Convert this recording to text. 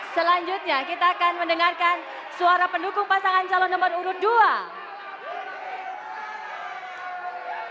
selanjutnya kita akan mendengarkan suara pendukung pasangan calon nomor urut dua